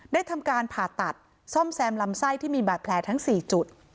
ทำการผ่าตัดซ่อมแซมลำไส้ที่มีบาดแผลทั้ง๔จุด